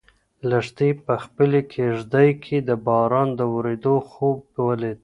لښتې په خپلې کيږدۍ کې د باران د ورېدو خوب ولید.